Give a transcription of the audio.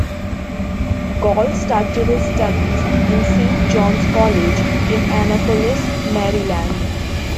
Gall started his studies in Saint Johns College in Annapolis, Maryland.